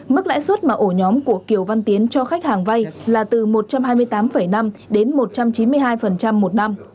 mức lãi suất mà ổ nhóm của kiều văn tiến cho khách hàng vay là từ một trăm hai mươi tám năm đến một trăm chín mươi hai một năm